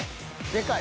でかい。